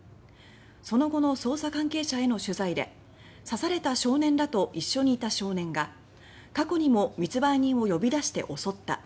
その後の捜査関係者への取材で刺された少年らと一緒にいた少年が「過去にも密売人を呼び出して襲った」